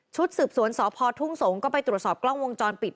สืบสวนสพทุ่งสงศ์ก็ไปตรวจสอบกล้องวงจรปิด